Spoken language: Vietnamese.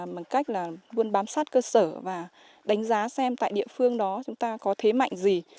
bằng cách là luôn bám sát cơ sở và đánh giá xem tại địa phương đó chúng ta có thế mạnh gì